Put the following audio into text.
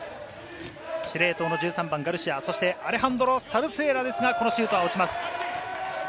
司令塔の１３番・ガルシア、アレハンドロ・サルスエラですが、このシュートは落ちます。